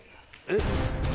えっ？